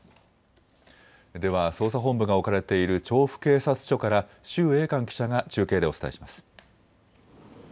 では捜査本部が置かれている調布警察署から周英煥記者が中継でお伝えします。